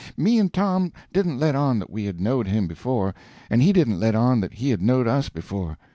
Me and Tom didn't let on that we had knowed him before, and he didn't let on that he had knowed us before.